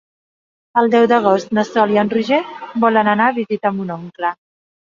El deu d'agost na Sol i en Roger volen anar a visitar mon oncle.